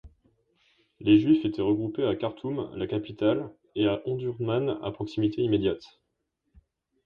Les Juifs étaient regroupés à Khartoum la capitale et à Omdurman à proximité immédiate.